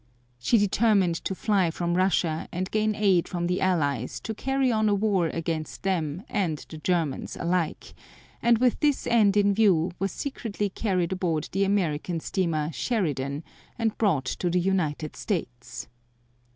She determined to fly from Russia and gain aid from the Allies to carry on a war against them and the Germans alike, and with this end in view was secretly carried aboard the American steamer Sheridan and brought to the United States.